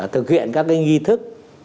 thực hiện các cái nghi thức